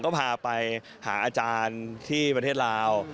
ก็พาไปหาอาจารย์ที่ประเทศลาว